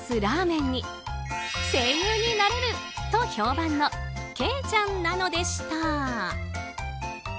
ラーメンに声優になれると評判のケイちゃんなのでした。